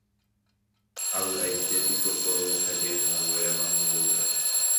avy'aite piko ko rohechajeyhaguére amano mboyve.